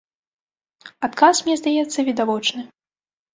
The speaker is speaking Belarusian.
Адказ, мне здаецца, відавочны.